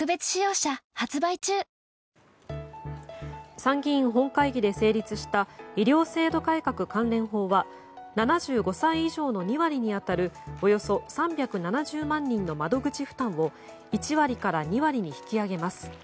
参議院本会議で成立した医療制度改革関連法は７５歳以上の２割に当たるおよそ３７０万人の窓口負担を１割から２割に引き上げます。